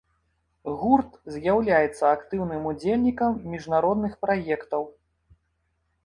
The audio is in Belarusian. Гурт з'яўляецца актыўным удзельнікам міжнародных праектаў.